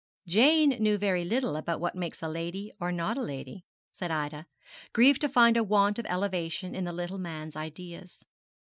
'Jane knew very little about what makes a lady or not a lady,' said Ida, grieved to find a want of elevation in the little man's ideas.